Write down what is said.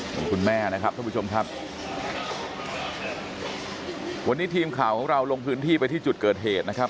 คุณแม่นะครับท่านผู้ชมครับวันนี้ทีมข่าวของเราลงพื้นที่ไปที่จุดเกิดเหตุนะครับ